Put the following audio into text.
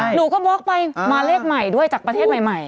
หนูก็บล็อกไปมาเลขใหม่ด้วยจากประเทศใหม่